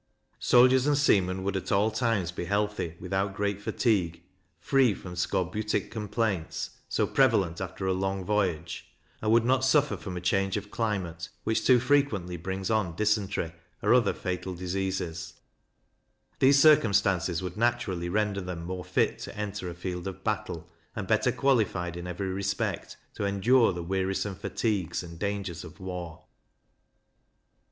Soldiers and seamen would at all times be healthy, without great fatigue, free from scorbutic complaints so prevalent after a long voyage, and would not suffer from a change of climate, which too frequently brings on dysentery, or other fatal diseases; these circumstances would naturally render them more fit to enter a field of battle, and better qualified, in every respect, to endure the wearisome fatigues and dangers of war.